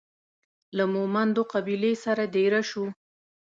له مومندو قبیلې سره دېره سو.